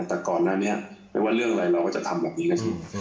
แต่ก่อนอันนี้ไม่ว่าเรื่องอะไรเราก็จะทำแบบนี้กัน